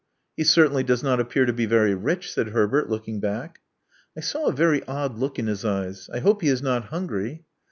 He certainly does not appear to be very rich," said Herbert, looking back. I saw a very odd look in his eyes. I hope he is not himgry."